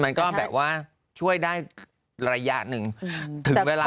มันก็แบบว่าช่วยได้ระยะหนึ่งถึงเวลา